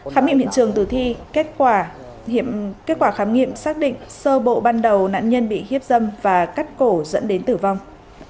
khám nghiệm hiện trường từ thi kết quả khám nghiệm xác định sơ bộ ban đầu nạn nhân bị hiếp dâm và cắt cổ dẫn đến tử vong